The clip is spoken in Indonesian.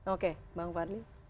oke bang farli